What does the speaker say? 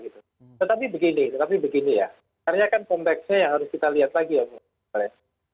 tetapi begini ya karena kan konteksnya yang harus kita lihat lagi ya pak sbe